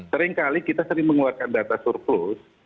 seringkali kita sering mengeluarkan data surplus